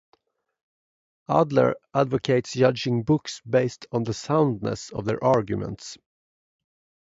Adler advocates judging books based on the soundness of their arguments.